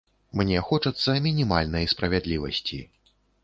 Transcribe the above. Мне хочацца мінімальнай справядлівасці.